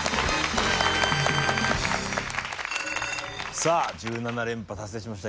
さあ１７連覇達成しました。